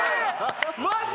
マジ！？